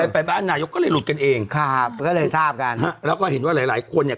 ไปบ้านนายกก็เลยหลุดกันเองครับก็เลยทราบกันฮะแล้วก็เห็นว่าหลายหลายคนเนี่ย